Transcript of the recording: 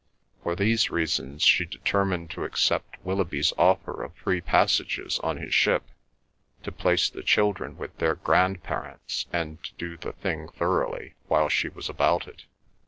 For these reasons she determined to accept Willoughby's offer of free passages on his ship, to place the children with their grand parents, and to do the thing thoroughly while she was about it.